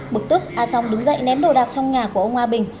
bực tức a song đứng dậy ném đồ đạc trong nhà của ông a bình